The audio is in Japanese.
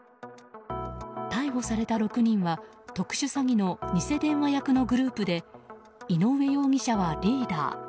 逮捕された６人は特殊詐欺の偽電話役のグループで井上容疑者はリーダー。